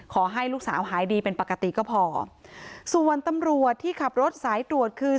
ขอให้ลูกสาวหายดีเป็นปกติก็พอส่วนตำรวจที่ขับรถสายตรวจคือ